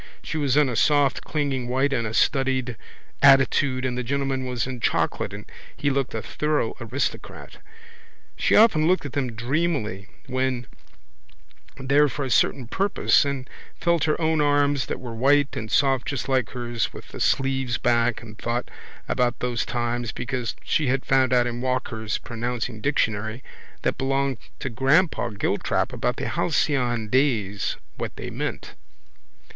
She was in a soft clinging white in a studied attitude and the gentleman was in chocolate and he looked a thorough aristocrat. She often looked at them dreamily when she went there for a certain purpose and felt her own arms that were white and soft just like hers with the sleeves back and thought about those times because she had found out in Walker's pronouncing dictionary that belonged to grandpapa Giltrap about the halcyon days what they meant.